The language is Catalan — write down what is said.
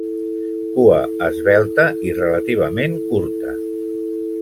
Cua esvelta i relativament curta.